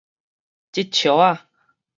織蓆仔